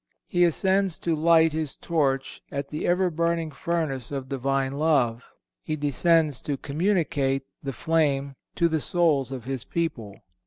He ascends to light his torch at the ever burning furnace of Divine love; he descends to communicate the flame to the souls of his people.